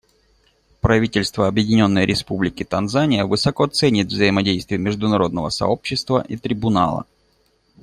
Правительство Объединенной Республики Танзания высоко ценит взаимодействие международного сообщества и Трибунала.